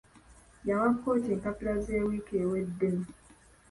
Yawa kkooti empapula ze wiiki ewedde.